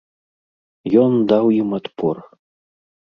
Ён даў ім адпор.